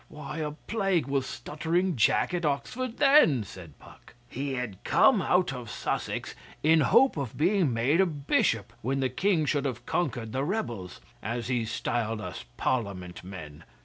Why a plague was stuttering Jack at Oxford then?' said Puck. 'He had come out of Sussex in hope of being made a Bishop when the King should have conquered the rebels, as he styled us Parliament men.